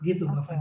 begitu mbak fanny